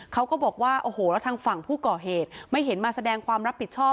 เขาก็บอกว่าโอ้โหแล้วทางฝั่งผู้ก่อเหตุไม่เห็นมาแสดงความรับผิดชอบ